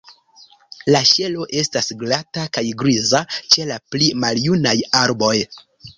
La ŝelo estas glata kaj griza ĉe la pli maljunaj arboj.